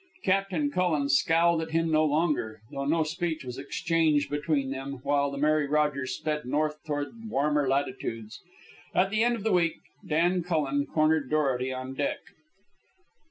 Captain Cullen scowled at him no longer, though no speech was exchanged between them, while the Mary Rogers sped north toward warmer latitudes. At the end of the week, Dan Cullen cornered Dorety on deck.